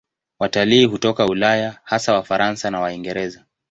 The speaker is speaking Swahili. Watalii hutoka Ulaya, hasa Wafaransa na Waingereza.